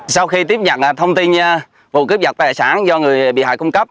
sau khi tiếp nhận thông tin vụ cướp vật tài sản do người bị hại cung cấp